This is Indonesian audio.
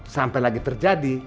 sampai lagi terjadi